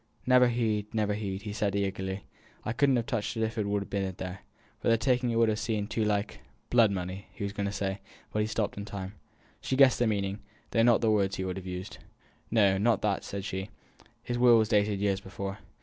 "Never heed, never heed," said he, eagerly; "I couldn't have touched it if it had been there, for the taking it would ha' seemed too like " Blood money, he was going to say, but he stopped in time. She guessed the meaning, though not the word he would have used. "No, not that," said she; "his will was dated years before.